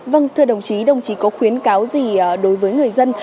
vâng thưa đồng chí đồng chí có khuyến cáo gì đối với người dân